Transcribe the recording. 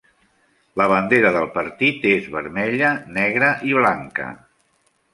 La bandera del partit és vermella, negra i blanca.